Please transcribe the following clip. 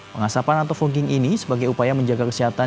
pengasapan atau fogging ini sebagai upaya menjaga kesehatan